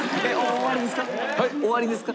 終わりですか？